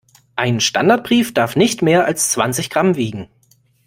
Ein Standardbrief darf nicht mehr als zwanzig Gramm wiegen.